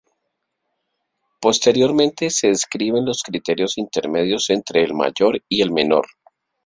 Posteriormente, se describen los criterios intermedios entre el mayor y el menor.